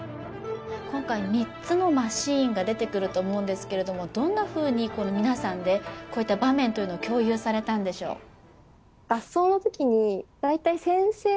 今回３つのシーンが出てくると思うんですけれどもどんなふうに皆さんでこういった場面というのを共有されたんでしょう？